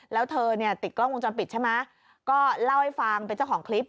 แล้วเธอเนี่ยติดกล้องวงจรปิดใช่ไหมก็เล่าให้ฟังเป็นเจ้าของคลิป